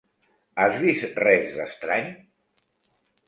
Has vist res d'estrany?